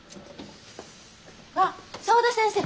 あっ沢田先生！